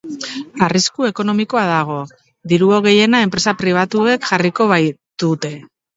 Arrisku ekonomikoa dago, diru gehiena enpresa pribatuek jarriko baitute.